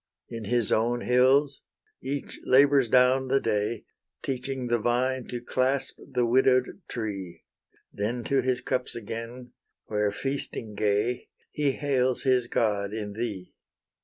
In his own hills each labours down the day, Teaching the vine to clasp the widow'd tree: Then to his cups again, where, feasting gay, He hails his god in thee.